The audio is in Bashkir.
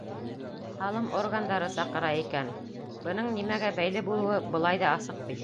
Һалым органдары саҡыра икән, бының нимәгә бәйле булыуы былай ҙа асыҡ бит.